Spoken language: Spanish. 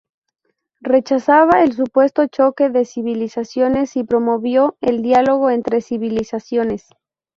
Rechazaba el supuesto choque de civilizaciones y promovió el "Diálogo entre civilizaciones".